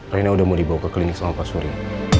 rena udah mau dibawa ke klinik sama pak surya